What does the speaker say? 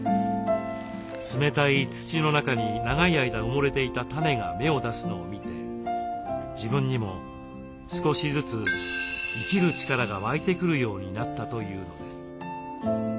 冷たい土の中に長い間埋もれていた種が芽を出すのを見て自分にも少しずつ生きる力が湧いてくるようになったというのです。